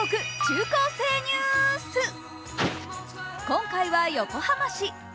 今回は横浜市。